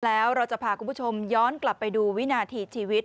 แล้วเราจะพาคุณผู้ชมย้อนกลับไปดูวินาทีชีวิต